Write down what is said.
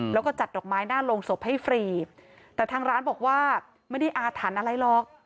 แล้วก็จัดดอกไม้หน้าโรงศพให้ฟรีแต่ทางร้านบอกว่าไม่ได้อาถรรพ์อะไรหรอก